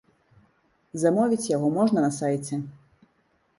Замовіць яго можна на сайце.